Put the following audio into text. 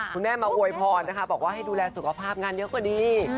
คุณแม่มาอวยพรนะคะบอกว่าให้ดูแลสุขภาพงานเยอะกว่านี้